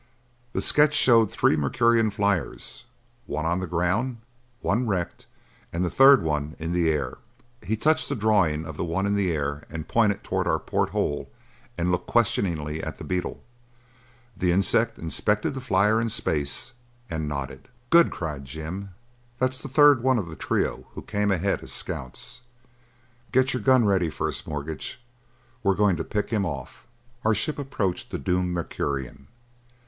The sketch showed three Mercurian flyers, one on the ground, one wrecked and the third one in the air. He touched the drawing of the one in the air and pointed toward our port hole and looked questioningly at the beetle. The insect inspected the flyer in space and nodded. "Good!" cried Jim. "That's the third of the trio who came ahead as scouts. Get your gun ready, First Mortgage: we're going to pick him off." Our ship approached the doomed Mercurian.